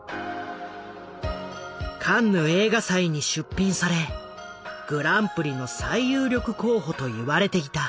カンヌ映画祭に出品されグランプリの最有力候補と言われていた。